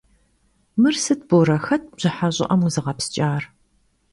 Mır sıt, Bore, xet bjıhe ş'ı'em vuzığepsç'ar?